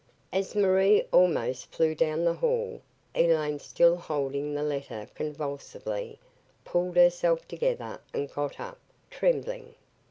As Marie almost flew down the hall, Elaine still holding the letter convulsively, pulled herself together and got up, trembling.